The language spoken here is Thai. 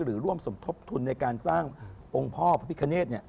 ร่วมสมทบทุนในการสร้างองค์พ่อพระพิคเนธ